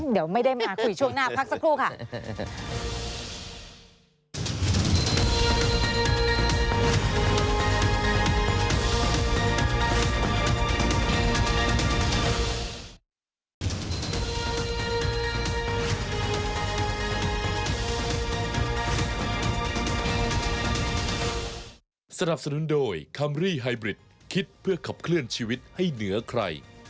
เดี๋ยวไม่ได้มาคุยช่วงหน้าพักสักครู่ค่ะ